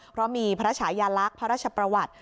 เพราะมีพระชายาลักษณ์พระราชประวัติ